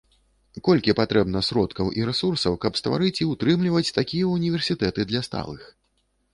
Колькі патрэбна сродкаў і рэсурсаў, каб стварыць і ўтрымліваць такія ўніверсітэты для сталых?